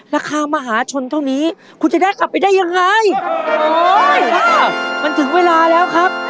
ราคามหาชนเท่านี้คุณจะได้กลับไปได้ยังไงโอ๊ยมันถึงเวลาแล้วครับ